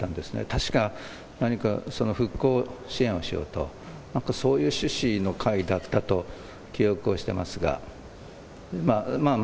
確か、何か復興支援をしようと、なんかそういう趣旨の会だったと記憶をしてますが。